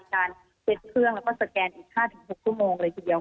การเซ็ตเครื่องแล้วก็สแกนอีก๕๖ชั่วโมงเลยทีเดียว